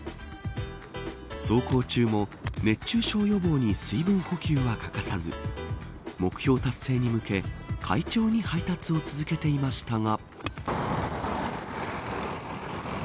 走行中も熱中症予防に水分補給は欠かさず目標達成に向け快調に配達を続けていましたが。